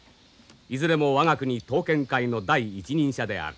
いずれも我が国刀剣界の第一人者である。